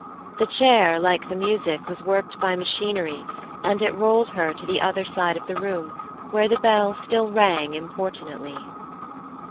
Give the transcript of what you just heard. The chair, like the music, was worked by machinery and it rolled her to the other side of the room where the bell still rang importunately.